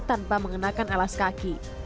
tanpa mengenakan alas kaki